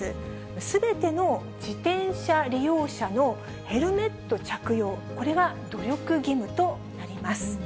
すべての自転車利用者のヘルメット着用、これが努力義務となります。